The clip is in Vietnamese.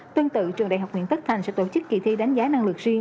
tương tự trường đại học nguyễn tất thành sẽ tổ chức kỳ thi đánh giá năng lực riêng